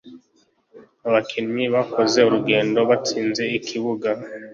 abakinnyi bakoze urugendo batsinze ikibuga